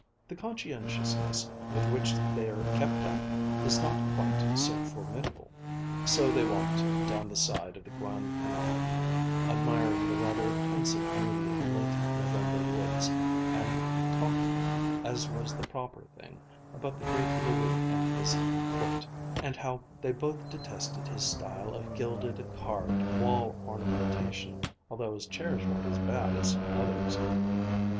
The conscientiousness with which they're kept up is not quite so formidable." So they walked down the side of the Grand Canal, admiring the rather pensive beauty of the late November woods, and talking, as was the proper thing, about the great Louis and his court, and how they both detested his style of gilded, carved wall ornamentation, although his chairs weren't as bad as some others.